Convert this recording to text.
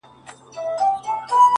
خو ژوند حتمي ستا له وجوده ملغلري غواړي;